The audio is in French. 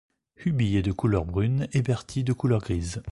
Hubie est de couleur brune et Bertie de couleur grise.